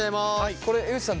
これ江口さん